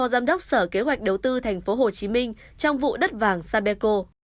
giám đốc sở kế hoạch đầu tư tp hcm trong vụ đất vàng sapeco